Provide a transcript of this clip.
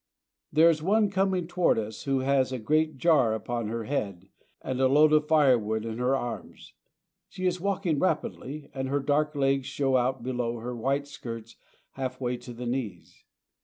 There is one coming toward us who has a great jar upon her head and a load of firewood in her arms. She is walking rapidly, and her dark legs show out below her white skirts halfway to the knees.